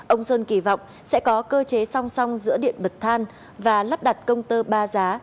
ông sơn kỳ vọng sẽ có cơ chế song song giữa điện bật than và lắp đặt công tơ ba giá